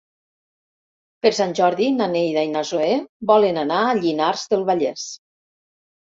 Per Sant Jordi na Neida i na Zoè volen anar a Llinars del Vallès.